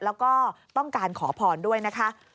แล้วก็ต้องการขอพรด้วยนะคะ